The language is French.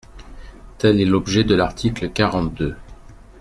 Tel est l’objet de l’article quarante-deux.